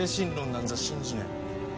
なんざ信じねえ。